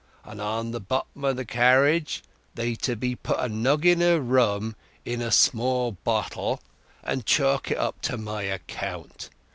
And in the bottom o' the carriage they be to put a noggin o' rum in a small bottle, and chalk it up to my account.